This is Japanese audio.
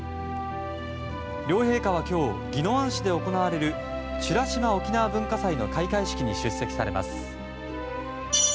両陛下は今日宜野湾市で行われる美ら島おきなわ文化祭の開会式に出席されます。